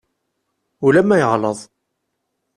Ulamma yeɣleḍ.